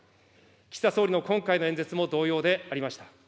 岸田総理の今回の演説も同様でありました。